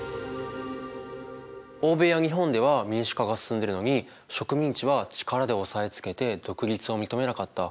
欧米や日本では民主化が進んでるのに植民地は力で押さえつけて独立を認めなかった。